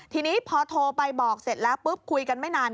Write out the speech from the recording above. ทีนี้พอโทรไปบอกเสร็จแล้วปุ๊บคุยกันไม่นาน